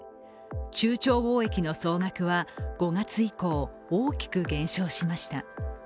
中朝貿易の総額は５月以降大きく減少しました。